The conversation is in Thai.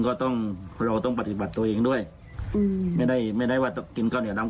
ก็ต้องเราต้องปฏิบัติตัวเองด้วยอืมไม่ได้ไม่ได้ว่าจะกินข้าวเหนียวน้ำ